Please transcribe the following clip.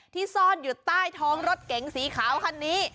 ซ่อนอยู่ใต้ท้องรถเก๋งสีขาวคันนี้